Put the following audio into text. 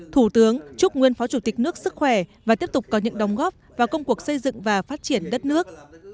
thủ tướng chúc nguyên phó chủ tịch nước sức khỏe và tiếp tục có những đóng góp vào công cuộc xây dựng và phát triển đất nước